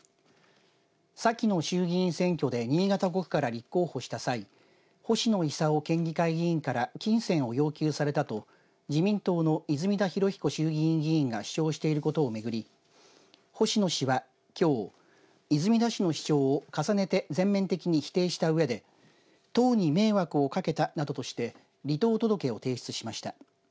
先の衆議院選挙で新潟５区から立候補した際星野伊佐夫県議会議員から金銭を要求されたと自民党の泉田裕彦衆議院議員が主張していることを巡り星野氏は、きょう泉田氏の主張を重ねて全面的に否定したうえで党に迷惑をかけたなどとして離党届を提出しました。